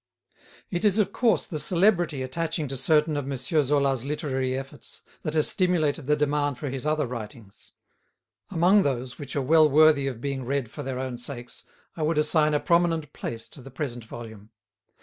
It is, of course, the celebrity attaching to certain of M. Zola's literary efforts that has stimulated the demand for his other writings. Among those which are well worthy of being read for their own sakes, I would assign a prominent place to the present volume.